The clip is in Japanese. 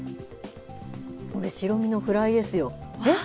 これ、白身のフライですよ。